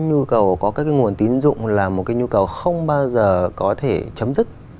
nhu cầu có các cái nguồn tín dụng là một cái nhu cầu không bao giờ có thể chấm dứt